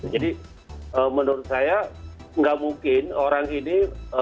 jadi menurut saya gak mungkin orang ini